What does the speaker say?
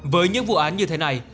với những vụ án như thế này